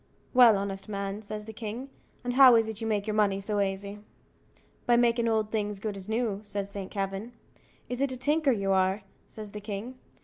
"Well, honest man," says the king, "and how is it you make your money so aisy?" "By makin' old things as good as new," says Saint Kavin. "Is it a tinker you are?" says the king.